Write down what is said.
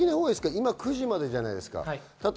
今９時までじゃないですか。